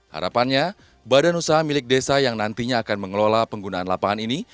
harapannya badan usaha milik desa yang nantinya akan mengelola penggunaan lapangan ini